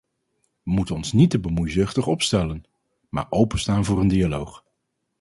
We moeten ons niet te bemoeizuchtig opstellen, maar openstaan voor een dialoog.